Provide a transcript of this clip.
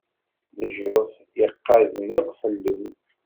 Leǧruḥ iqaẓen akk ḥellun.